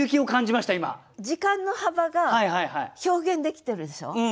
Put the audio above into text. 時間の幅が表現できてるでしょ？